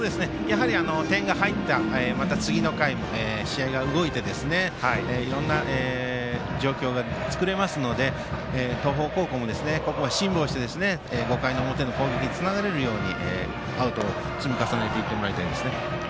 点が入った次の回も試合が動いていろんな状況が作れますので東邦高校も辛抱して５回の表の攻撃につなげられるようにアウトを積み重ねていってもらいたいです。